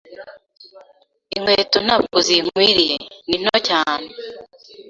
Inkweto ntabwo zinkwiriye. Ni nto cyane.